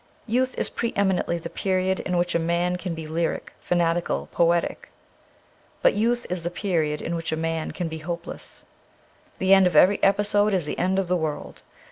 Youth is pre eminently the period in which a man can be lyric, fanatical, poetic ; but youth is the period in which a man can be hopeless. The end of every episode is the end of the world.